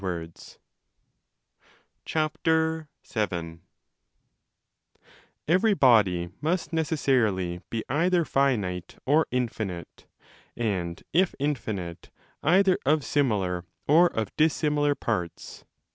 C2 » 2745 DE CAELO 30 Every body must necessarily be either finite or infinite, 7 and if infinite, either of similar or of dissimilar parts.